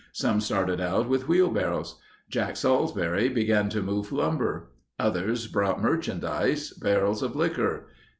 Some started out with wheelbarrows. Jack Salsbury began to move lumber. Others brought merchandise, barrels of liquor.